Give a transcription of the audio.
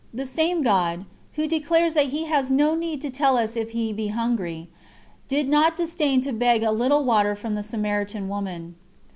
The same God, Who declares that He has no need to tell us if He be hungry, did not disdain to beg a little water from the Samaritan woman.